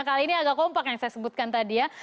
kali ini agak kompak yang saya sebutkan tadi ya